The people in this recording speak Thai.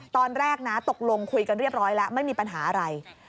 ตอนแรกนะตกลงคุยกันเรียบร้อยแล้วไม่มีปัญหาอะไร